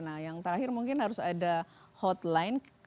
nah yang terakhir mungkin harus ada hotline